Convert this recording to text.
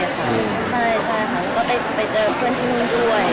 ไปเจอเพื่อนที่นุ่นด้วย